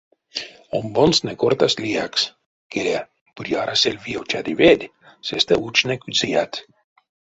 Омбонстнэ кортасть лиякс: келя, бути арасель виев чадыведь, сестэ учнек зыянт.